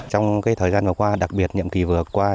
trong thời gian vừa qua đặc biệt nhiệm kỳ vừa qua